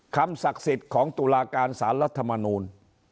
ศักดิ์สิทธิ์ของตุลาการสารรัฐมนูล